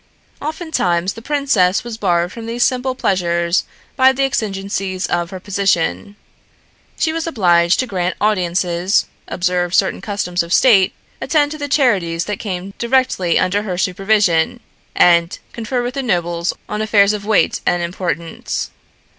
Oftentimes the princess was barred from these simple pleasures by the exigencies of her position. She was obliged to grant audiences, observe certain customs of state, attend to the charities that came directly under her supervision, and confer with the nobles on affairs of weight and importance.